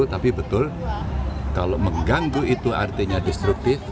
tapi betul kalau mengganggu itu artinya destruktif